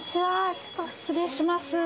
ちょっと失礼します。